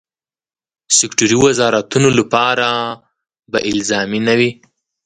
سکټوري وزارتونو لپاره به الزامي نه وي.